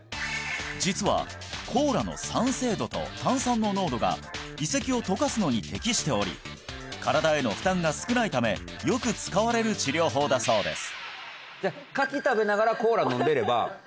実はコーラの酸性度と炭酸の濃度が胃石を溶かすのに適しており身体への負担が少ないためよく使われる治療法だそうです